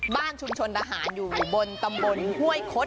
บ้านชุมชนทหารอยู่บนตำบลห้วยคด